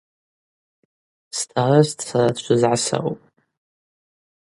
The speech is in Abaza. Старост сара дшвызгӏасаупӏ.